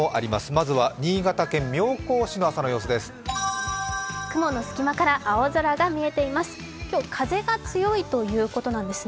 まずは新潟県妙高市の朝の様子です。